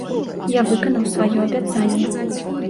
Я выканаў сваё абяцанне.